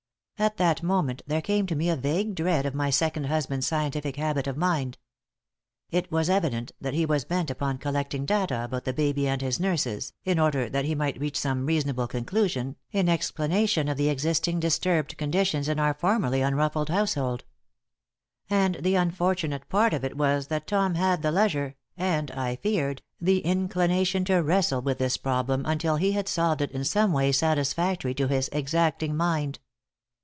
At that moment there came to me a vague dread of my second husband's scientific habit of mind. It was evident that he was bent upon collecting data about the baby and his nurses, in order that he might reach some reasonable conclusion in explanation of the existing disturbed conditions in our formerly unruffled household. And the unfortunate part of it was that Tom had the leisure and, I feared, the inclination to wrestle with this problem until he had solved it in some way satisfactory to his exacting mind.